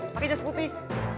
pakai jas putih